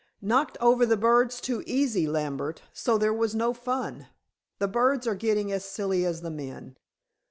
Knocked over the birds too easy, Lambert, so there was no fun. The birds are getting as silly as the men."